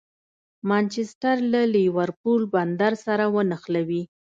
مانچسټر له لېورپول بندر سره ونښلوي.